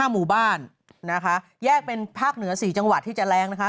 หมู่บ้านนะคะแยกเป็นภาคเหนือ๔จังหวัดที่จะแรงนะคะ